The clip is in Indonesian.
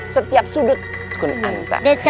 setiap sudut kun anta